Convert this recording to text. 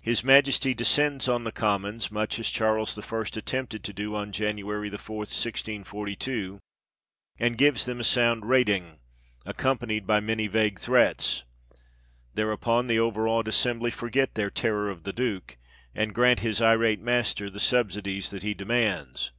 His Majesty descends on the Commons, much as Charles I. attempted to do on January 4, 1642, and gives them a sound rating, accom panied by many vague threats. Thereupon the overawed assembly forget their terror of the duke, and grant his irate master the subsidies that he demands.